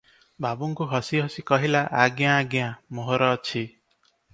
ବାବୁଙ୍କୁ ହସି ହସି କହିଲା, ଆଜ୍ଞା! ଆଜ୍ଞା! ମୋହର ଅଛି ।"